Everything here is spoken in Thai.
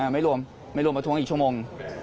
ไม่รวมไม่รวมประท้วงอีกชั่วโมง